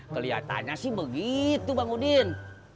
kelihatannya sih begitu bang udin